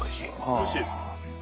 おいしいですか。